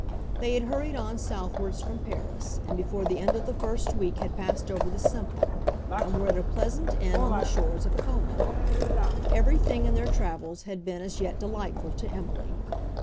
They had hurried on southwards from Paris, and before the end of the first week had passed over the Simplon, and were at a pleasant inn on the shores of Como. Everything in their travels had been as yet delightful to Emily.